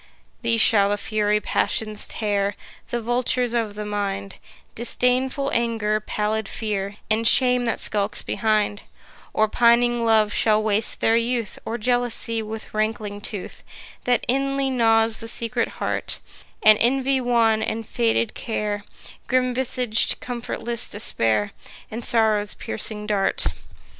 These shall the fury Passions tear, The vultures of the mind Disdainful Anger, pallid Fear, And Shame that skulks behind; Or pining Love shall waste their youth, Or Jealousy with rankling tooth, That inly gnaws the secret heart, And Envy wan, and faded Care, Grim visag'd comfortless Despair, And Sorrow's piercing dart.